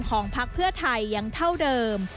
ของพักเพื่อไทยอย่างเท่าเดิม